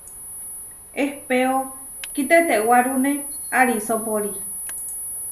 Ehpéo kitetewárune arisópori.